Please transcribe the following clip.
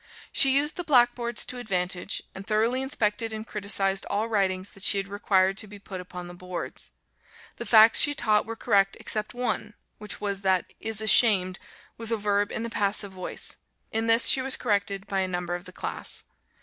She used the blackboards to advantage, and thoroughly inspected and criticised all writings that she had required to be put upon the boards. The facts she taught were correct, except one, which was, that "is ashamed" was a verb in the passive voice; in this she was corrected by a number of the class.